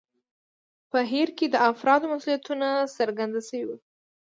په هیر کې د افرادو مسوولیتونه څرګند شوي وو.